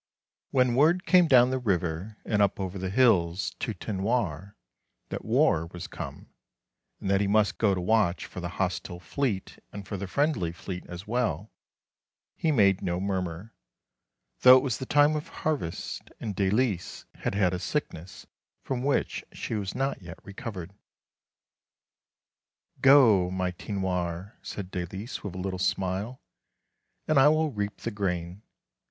When word came down the river, and up over the hills to Tinoir that war was come and that he must go to watch for the hostile fleet and for the friendly fleet as well, he made no murmur, though it was the time of harvest, and Dalice had had a sickness from which she was not yet recovered. " Go, my Tinoir," said Dalice, with a little smile, " and I will reap the grain.